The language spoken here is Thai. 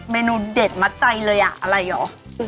อย่างมันใจเลยอ่ะอะไรอยู่